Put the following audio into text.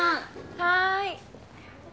はい。